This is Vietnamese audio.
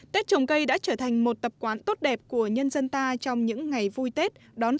tết trồng cây đã trở thành một tập quán tốt đẹp của nhân dân ta trong những ngày vui tết đón xuân